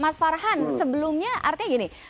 mas farhan sebelumnya artinya gini